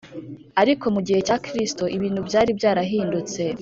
ariko mu gihe cya kristo ibintu byari byarahindutse